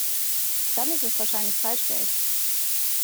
Dann ist es wahrscheinlich Falschgeld.